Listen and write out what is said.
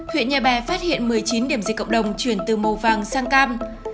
huyện nhà bè phát hiện một mươi chín điểm dịch cộng đồng chuyển từ màu vàng sang cam